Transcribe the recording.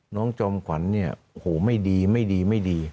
น้องจอมขวัญเนี่ยโหไม่ดีไม่ดีไม่ดี